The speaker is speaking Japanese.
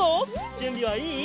じゅんびはいい？